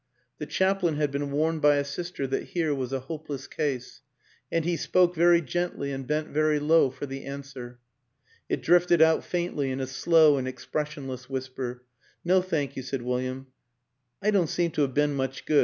The chaplain had been warned by a sister that here was a hopeless case, and he spoke very gently and bent very low for the answer. It drifted out faintly in a slow and expression less whisper. " No, thank you," said William. " I don't seem to have been much good ...